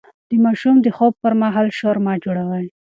د ماشوم د خوب پر مهال شور مه جوړوئ.